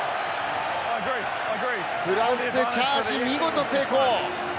フランス、チャージ見事成功！